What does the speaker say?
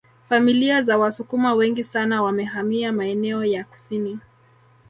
Familia za Wasukuma wengi sana wamehamia maeneo ya kusini